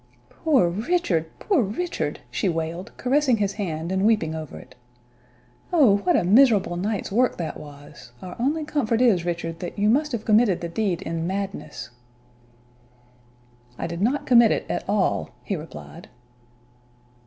"Poor Richard, poor Richard!" she wailed, caressing his hand and weeping over it. "Oh, what a miserable night's work that was! Our only comfort is, Richard, that you must have committed the deed in madness." "I did not commit it at all," he replied.